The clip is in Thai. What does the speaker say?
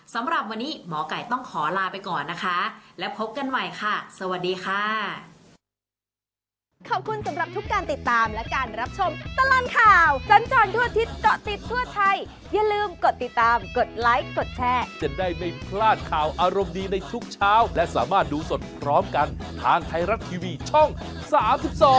สำหรับวันนี้หมอไก่ต้องขอลาไปก่อนนะคะและพบกันใหม่ค่ะสวัสดีค่ะ